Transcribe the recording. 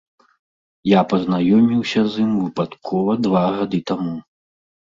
Я пазнаёміўся з ім выпадкова два гады таму.